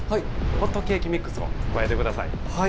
ホットケーキミックスを加えて下さい。